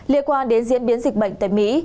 liên quan đến diễn biến dịch bệnh tại mỹ